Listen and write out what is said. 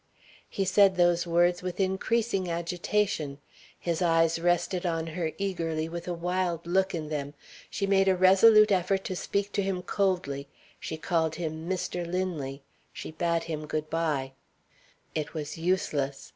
He said those words with increasing agitation; his eyes rested on her eagerly with a wild look in them. She made a resolute effort to speak to him coldly she called him "Mr. Linley" she bade him good by. It was useless.